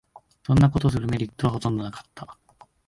そんなことするメリットはほとんどなかった